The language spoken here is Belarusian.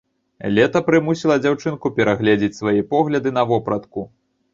Лета прымусіла дзяўчынку перагледзець свае погляды на вопратку.